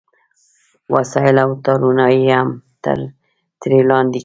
وسایل او تارونه یې هم ترې لاندې کړل